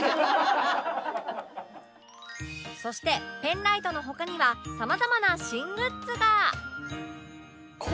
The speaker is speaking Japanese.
そしてペンライトの他にはさまざまな新グッズが